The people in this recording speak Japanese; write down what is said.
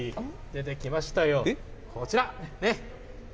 出てきましたよ、こちら、ねっ。